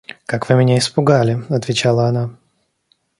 Как вы меня испугали, — отвечала она.